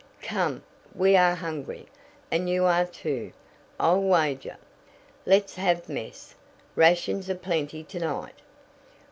"Come! We are hungry, and you are too, I'll wager. Let's have mess. Rations are plenty to night."